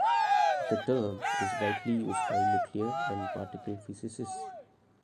The term is widely used by nuclear and particle physicists.